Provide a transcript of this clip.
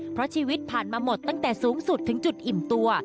เพราะชีวิตผ่านมาหมดตั้งแต่สูงสุดถึงจุดอิ่มตัว